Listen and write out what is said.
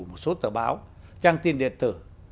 một số tờ báo trang tin điện tử